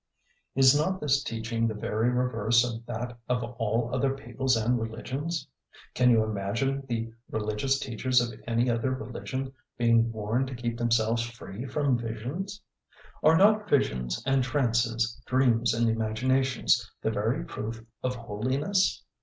Is not this teaching the very reverse of that of all other peoples and religions? Can you imagine the religious teachers of any other religion being warned to keep themselves free from visions? Are not visions and trances, dreams and imaginations, the very proof of holiness?